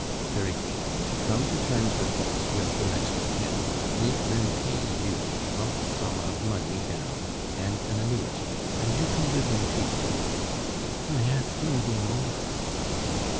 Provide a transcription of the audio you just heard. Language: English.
"Very good, come to terms at once with the next of kin; make them pay you a lump sum of money down and an annuity, and you can live in peace " "I ask noding more."